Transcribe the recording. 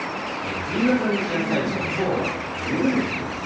冬型の気圧配置はきょうは緩んでくるんですね。